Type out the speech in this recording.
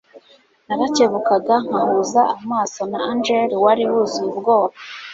Narakebukaga nkahuza amaso na Angel wari wuzuye ubwoba